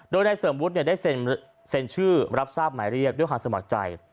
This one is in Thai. โดยนายเสริมวุฒิได้เซ็นชื่อรับทราบหมายเรียกด้วยความสมัครใจ